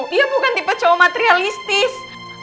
dia bukan tipe cowok materialistis